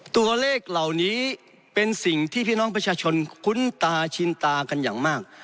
ตัวเลขเหล่านี้เป็นสิ่งที่พี่น้องประชาชนคุ้นตาชินตากันอย่างมาก